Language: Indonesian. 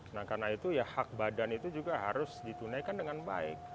nah karena itu ya hak badan itu juga harus ditunaikan dengan baik